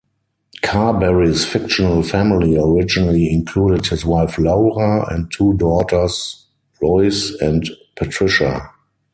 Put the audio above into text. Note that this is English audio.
Carberry's fictional family originally included his wife Laura, and two daughters, Lois and Patricia.